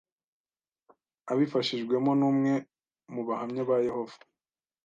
abifashijwemo n’umwe mu Bahamya ba Yehova.